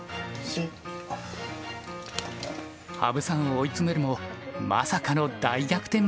羽生さんを追い詰めるもまさかの大逆転